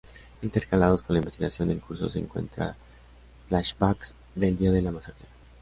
Intercalados con la investigación en curso se encuentran "flashbacks" del día de la masacre.